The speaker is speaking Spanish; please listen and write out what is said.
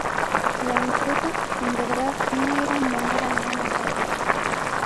La empresa, en verdad, no era en manera alguna fácil.